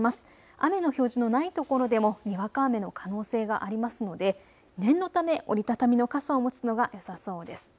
雨の表示のない所でもにわか雨の可能性がありますので念のため折り畳みの傘を持つのがよさそうです。